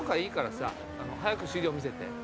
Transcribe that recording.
いいからさあの早く資料見せて。